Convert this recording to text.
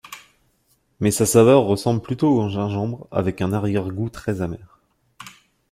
Mais sa saveur ressemble plutôt au gingembre, avec un arrière-goût très amer.